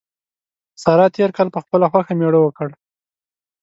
سارا تېر کال په خپله خوښه مېړه وکړ.